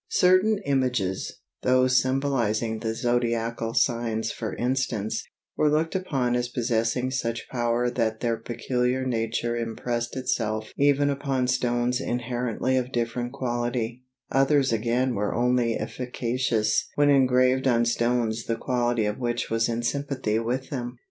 Certain images, those symbolizing the zodiacal signs for instance, were looked upon as possessing such power that their peculiar nature impressed itself even upon stones inherently of different quality; others again were only efficacious when engraved on stones the quality of which was in sympathy with them.